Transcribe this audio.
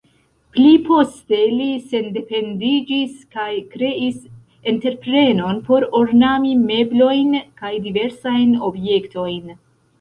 Pli poste li sendependiĝis kaj kreis entreprenon por ornami meblojn kaj diversajn objektojn.